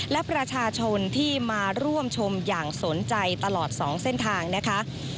และประชาชนที่มาร่วมชมอย่างสนใจตลอด๒เส้นทางนะคะ